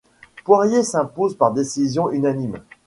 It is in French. Poirier s'impose par décision unanime.